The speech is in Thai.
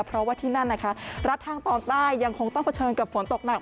เพราะว่าที่นั่นนะคะรัฐทางตอนใต้ยังคงต้องเผชิญกับฝนตกหนัก